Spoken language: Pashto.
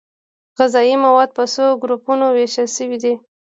غذايي مواد په څو ګروپونو ویشل شوي دي